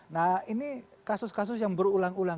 nah ini kasus kasus yang berulang ulang